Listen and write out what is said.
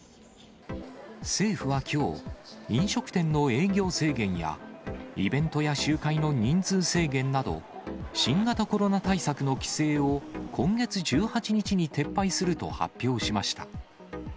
政府はきょう、飲食店の営業制限や、イベントや集会の人数制限など、新型コロナ対策の規制を今月１８日に撤廃すると発表しました。